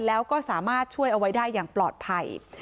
แล้วก็สามารถช่วยเอาไว้ได้อย่างปลอดภัย